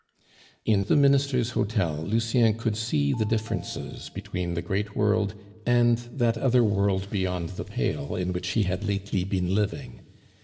In the Minister's hotel Lucien could see the differences between the great world and that other world beyond the pale in which he had lately been living.